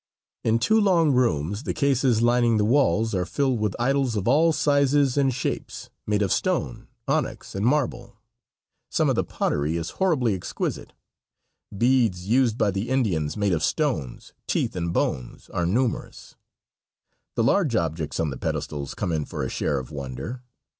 In two long rooms the cases lining the walls are filled with idols of all sizes and shapes, made of stone onyx and marble. Some of the pottery is horribly exquisite. Beads used by the Indians, made of stones, teeth and bones, are numerous. The large objects on the pedestals come in for a share of wonder.